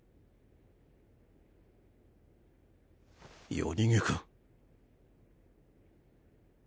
夜逃げか？